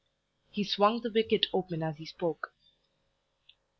He swung the wicket open as he spoke.